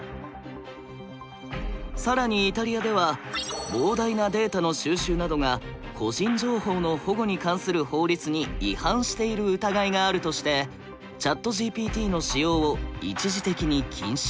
更にイタリアでは「膨大なデータの収集などが個人情報の保護に関する法律に違反している疑いがある」としてＣｈａｔＧＰＴの使用を一時的に禁止。